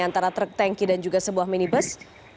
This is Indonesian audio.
antara truk tanki dan juga sebuah minibus